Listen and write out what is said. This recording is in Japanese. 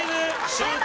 シュート！